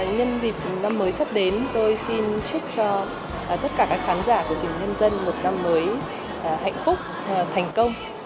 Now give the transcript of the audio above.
nhân dịp năm mới sắp đến tôi xin chúc cho tất cả các khán giả của truyền hình nhân dân một năm mới hạnh phúc thành công